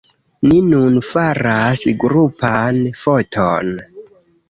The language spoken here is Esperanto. Ni nun faras grupan foton